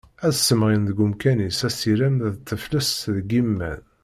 Ad ssemɣin deg umkan-is asirem d teflest deg yiman.